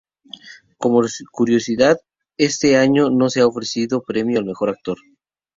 Como curiosidad, este año no se ha ofrecido premio al mejor actor.